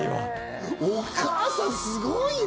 お母さん、すごいね。